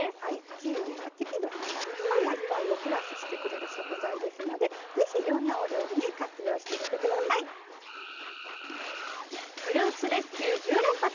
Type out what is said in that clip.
キウイは適度に甘酸っぱい味わいをプラスしてくれる食材ですのでぜひ、いろんなお料理に「フルーツレスキュー１０連発」。